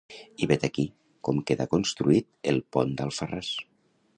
I vet aquí, com quedà construït el pont d'Alfarràs.